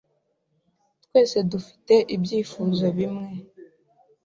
Twese dufite ibyifuzo bimwe